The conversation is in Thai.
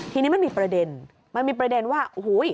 ทีนี้มันมีประเด็นมันมีประเด็นว่าโอ้โห